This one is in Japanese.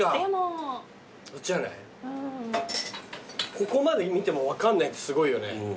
ここまで見ても分かんないってすごいよね。